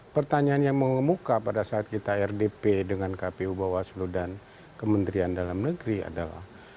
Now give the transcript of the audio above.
pertanyaan yang mengemuka pada saat kita rdp dengan kpu bawaslu dan kementerian dalam negeri adalah